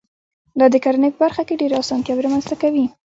دا د کرنې په برخه کې ډېرې اسانتیاوي رامنځته کوي.